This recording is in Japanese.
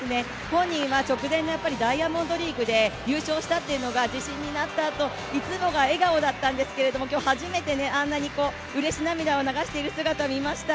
本人は直前のダイヤモンドリーグで優勝したっていうのが自信になったと、いつもは笑顔だったんですけど、今日初めてあんなにうれし涙を流している姿を見ました。